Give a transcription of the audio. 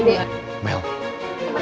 penting banget lu